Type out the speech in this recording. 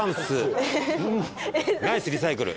ナイスリサイクル。